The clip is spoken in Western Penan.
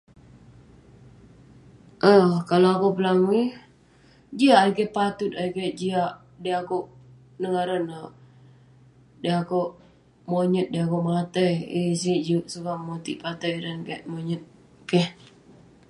um kalau akouk pelangui, jiak ayuk keik patut, ayuk keik jiak, dey akouk nouk ngaran neh..dey akouk monyet, dey akouk matai..yeng sik juk sukat motik patai dan keik monyet, keh